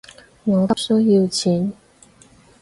我急需要錢